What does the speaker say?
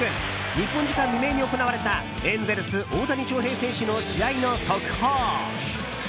日本時間未明に行われたエンゼルス、大谷翔平選手の速報。